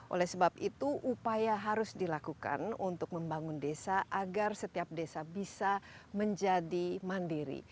oleh sebab itu upaya harus dilakukan untuk membangun desa agar setiap desa bisa menjadi mandiri